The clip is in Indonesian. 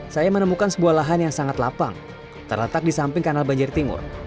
saya menemukan sebuah lahan yang sangat lapang terletak di samping kanal banjir timur